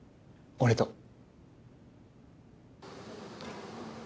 俺と。